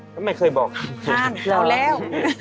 ก็ไม่เคยบอกครับครับเขาแล้ว